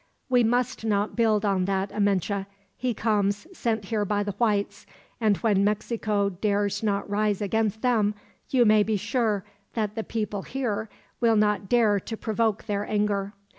"We must not build on that, Amenche. He comes, sent here by the whites; and when Mexico dares not rise against them, you may be sure that the people here will not dare to provoke their anger.